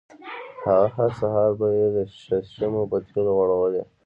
هغه هر سهار به یې د شرشمو په تېلو غوړولې.